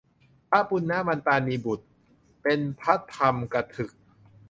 พระปุณณมันตานีบุตร เป็นพระธรรมกถึก